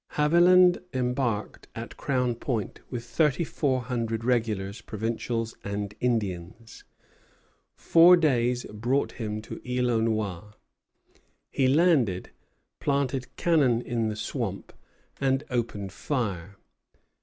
Haviland embarked at Crown Point with thirty four hundred regulars, provincials, and Indians. Four days brought him to Isle aux Noix; he landed, planted cannon in the swamp, and opened fire.